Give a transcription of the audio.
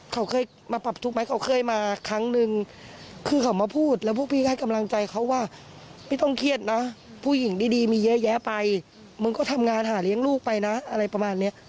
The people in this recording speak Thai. เขาเคยมาปรับทุกข์ไหมเขาเคยมาครั้งนึงคือเขามาพูดแล้วพวกพี่ให้กำลังใจเขาว่าพี่ต้องเครียดนะผู้หญิงดีมีเยอะแยะไปมึงก็ทำงานหาเลี้ยงลูกไปนะอะไรประมาณเนี้ย